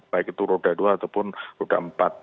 baik itu roda dua ataupun roda empat